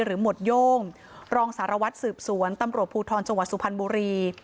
หมวดโย่งรองสารวัตรสืบสวนตำรวจภูทรจังหวัดสุพรรณบุรี